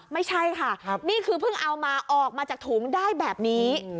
ไม่ใช่ค่ะนี่คือเพิ่งเอามาออกมาจากถุงได้แบบนี้